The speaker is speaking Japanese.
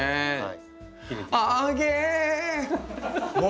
はい。